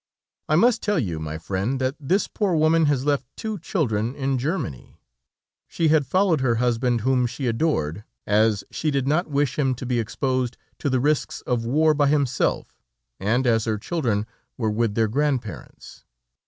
"I must tell you, my friend, that this poor woman has left two children in Germany. She had followed her husband whom she adored, as she did not wish him to be exposed to the risks of war by himself, and as her children were with their grandparents.